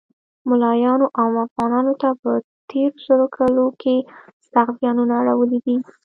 مولایانو عام افغانانو ته په تیرو سلو کلو کښی سخت ځیانونه اړولی دی